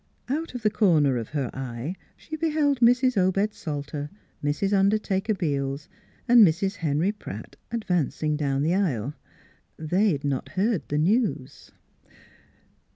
Out of the corner of her eye she beheld Mrs. Obed Salter, Mrs. Under taker Beels, and Mrs. Henry Pratt advanc ing down the aisle: they had not heard the news.